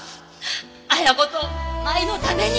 彩子と麻友のために！